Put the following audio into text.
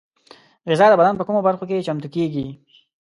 غذا د بدن په کومو برخو کې چمتو کېږي؟